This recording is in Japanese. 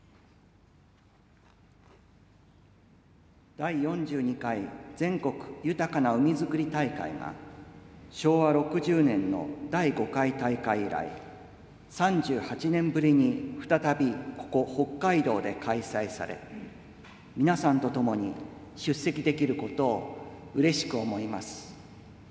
「第４２回全国豊かな海づくり大会」が、昭和６０年の第５回大会以来、３８年ぶりに再び、ここ北海道で開催され、皆さんと共に出席できることをうれしく思います。